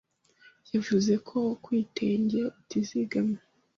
yevuze ko kwitenge utizegeme